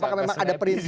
apakah memang ada perintah